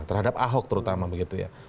terhadap ahok terutama begitu ya